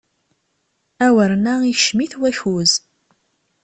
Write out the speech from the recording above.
Awren-a ikcem-it wakuz.